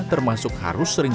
termasuk harus sering